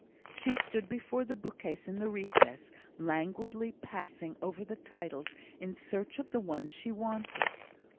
She stood before the bookcase in the recess, languidly passing over the titles in search of the one she wanted.